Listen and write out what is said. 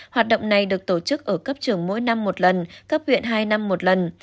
hoạt động này được tổ chức ở cấp trường mỗi năm một lần cấp huyện hai năm một lần